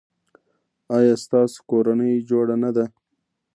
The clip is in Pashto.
ایا ستاسو کورنۍ جوړه نه ده؟